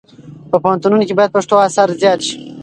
په پوهنتونونو کې باید پښتو اثار زیات شي.